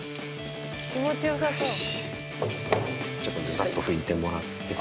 ざっと拭いてもらって。